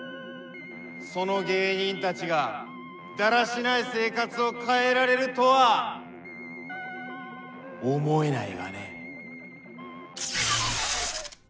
その芸人たちがだらしない生活を変えられるとは思えないがね。